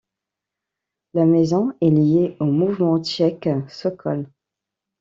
La maison est liée au mouvement tchèque Sokol.